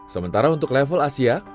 sementara untuk level asia